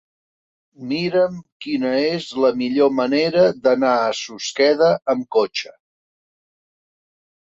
Mira'm quina és la millor manera d'anar a Susqueda amb cotxe.